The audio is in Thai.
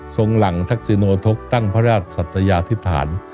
หลังทักษิโนทกตั้งพระราชสัตยาพิษฐาน